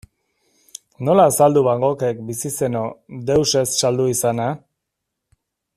Nola azaldu Van Goghek, bizi zeno, deus ez saldu izana?